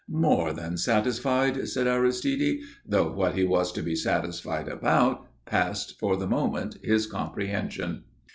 "More than satisfied," said Aristide, though what he was to be satisfied about passed, for the moment, his comprehension.